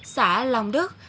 xã long đức